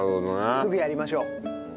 すぐやりましょう。